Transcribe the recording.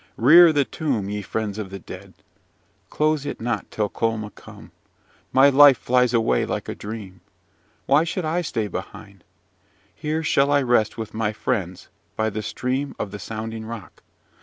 Rear the tomb, ye friends of the dead. Close it not till Colma come. My life flies away like a dream. Why should I stay behind? Here shall I rest with my friends, by the stream of the sounding rock.